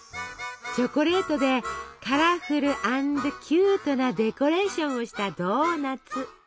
チョコレートでカラフル＆キュートなデコレーションをしたドーナツ。